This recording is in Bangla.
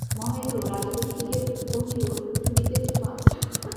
মহেন্দ্র রাজলক্ষ্মীকে কহিল, শুনিতেছ মা?